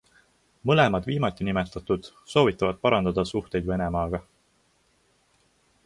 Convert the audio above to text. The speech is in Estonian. Mõlemad viimatinimetatud soovitavad parandada suhteid Venemaaga.